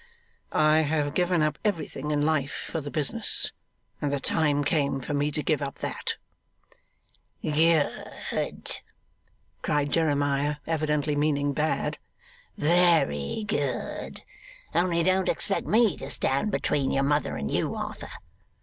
'I have given up everything in life for the business, and the time came for me to give up that.' 'Good!' cried Jeremiah, evidently meaning Bad. 'Very good! only don't expect me to stand between your mother and you, Arthur.